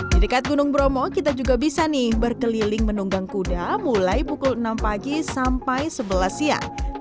di dekat gunung bromo kita juga bisa nih berkeliling menunggang kuda mulai pukul enam pagi sampai sebelas siang